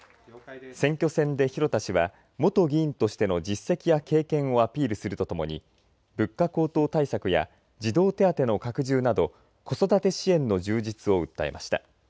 選挙戦で広田氏は元議員としての実績や経験をアピールするとともに物価高騰対策や児童手当の拡充など子育て支援の充実を訴えました。